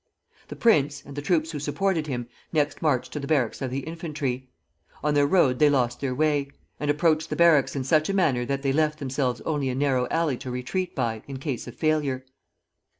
The prince, and the troops who supported him, next marched to the barracks of the infantry. On their road they lost their way, and approached the barracks in such a manner that they left themselves only a narrow alley to retreat by, in case of failure.